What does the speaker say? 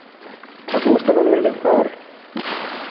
¿Os gusta la miel de azahar?